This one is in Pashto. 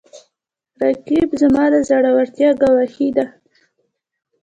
رقیب زما د زړورتیا ګواهي ده